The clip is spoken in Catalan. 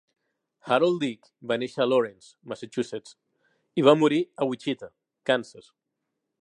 Harold Dick va néixer a Lawrence, Massachusetts i va morir a Wichita, Kansas.